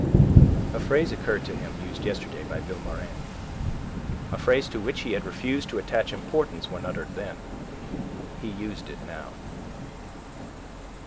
A phrase occurred to him used yesterday by Vilmorin, a phrase to which he had refused to attach importance when uttered then. He used it now.